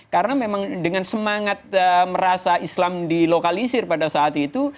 karena memang dengan semangat merasa islam dilokalisir pada saat itu